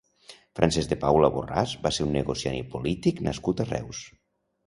Francesc de Paula Borràs va ser un negociant i polític nascut a Reus.